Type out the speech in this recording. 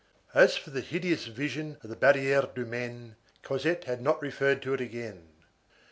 As for the hideous vision of the Barrière du Maine, Cosette had not referred to it again.